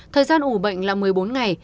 thời gian ủ bệnh là một mươi bốn ngày